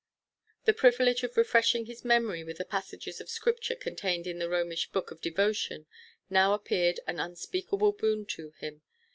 The privilege of refreshing his memory with the passages of Scripture contained in the Romish book of devotion now appeared an unspeakable boon to him.